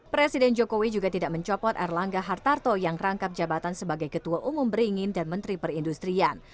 presiden jokowi juga tidak mencopot erlangga hartarto yang rangkap jabatan sebagai ketua umum beringin dan menteri perindustrian